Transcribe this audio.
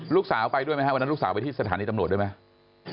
ลูกสาวไปด้วยไหมฮะวันนั้นลูกสาวไปที่สถานีตำรวจด้วยไหม